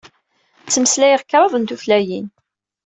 Ttmeslayeɣ kraḍ n tutlayin.